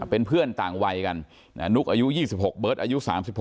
เป็นเพื่อนต่างวัยกันนุ๊กอายุ๒๖เบิร์ตอายุ๓๖